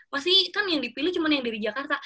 pasti kan yang dipilih cuma yang dari jakarta